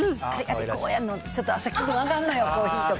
こうやんの、朝、気分上がんのよ。コーヒーとか。